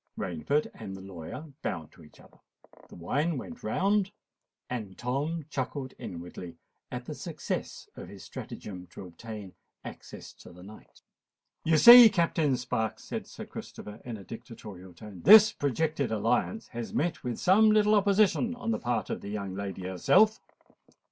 Rainford and the lawyer bowed to each other; the wine went round; and Tom chuckled inwardly at the success of his stratagem to obtain access to the knight. "You see, Captain Sparks," said Sir Christopher in a dictatorial tone, "this projected alliance has met with some little opposition on the part of the young lady herself."